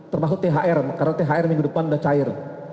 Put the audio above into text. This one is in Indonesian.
termasuk thr karena thr minggu depan sudah cair